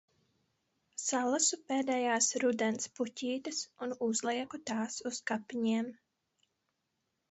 Salasu pēdējās rudens puķītes un uzlieku tās uz kapiņiem.